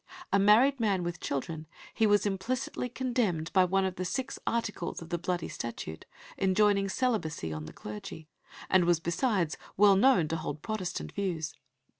A married man, with children, he was implicitly condemned by one of the Six Articles of the Bloody Statute, enjoining celibacy on the clergy, and was besides well known to hold Protestant views.